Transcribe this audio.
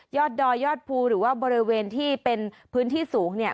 ดอยยอดภูหรือว่าบริเวณที่เป็นพื้นที่สูงเนี่ย